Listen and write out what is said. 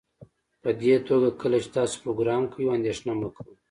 پدې توګه کله چې تاسو پروګرام کوئ اندیښنه مه کوئ